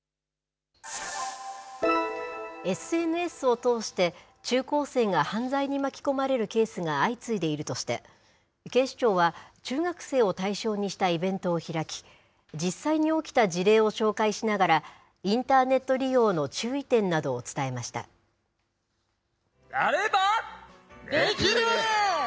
ＳＮＳを通して、中高生が犯罪に巻き込まれるケースが相次いでいるとして、警視庁は、中学生を対象にしたイベントを開き、実際に起きた事例を紹介しながらインターネット利用の注意点などやればできる！